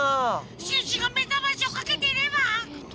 シュッシュがめざましをかけていれば！